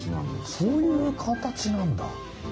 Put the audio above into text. そういうかたちなんだ。